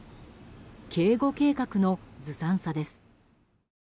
警護計画のずさんさです。